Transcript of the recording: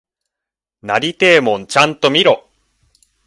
なりてえもんちゃんと見ろ！